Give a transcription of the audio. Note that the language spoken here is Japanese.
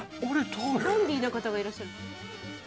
ダンディーな方がいらっしゃる。